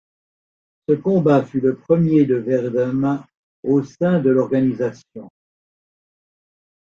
Ce combat fut le premier de Werdum au sein de l'organisation.